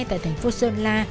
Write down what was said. tại thành phố sơn la